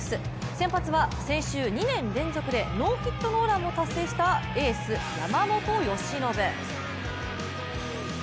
先発は先週２年連続でノーヒットノーランを達成したエース・山本由伸。